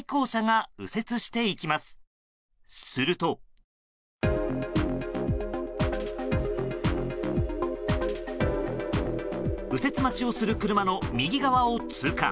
右折待ちをする車の右側を通過。